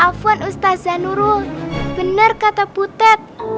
afuan ustaz zanurul benar kata putet